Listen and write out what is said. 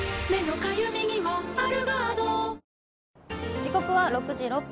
時刻は６時６分。